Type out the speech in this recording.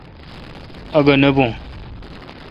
اگھہ نہ بھوں۔